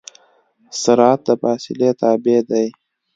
سرعت د فاصلې تابع دی.